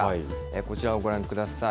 こちらをご覧ください。